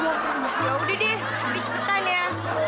ya udah deh tapi cepetan ya